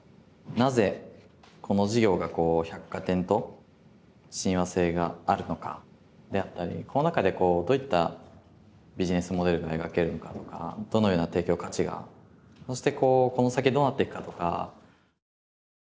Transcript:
なぜこの事業が百貨店と親和性があるのかであったりこの中でこうどういったビジネスモデルが描けるのかとかどのような提供価値がそしてこうこの先どうなっていくかとか。